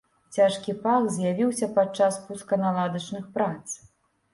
Цяжкі пах з'явіўся падчас пусканаладачных прац.